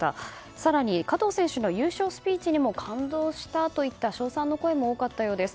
更に、加藤選手の優勝スピーチにも感動したといった称賛の声も多かったようです。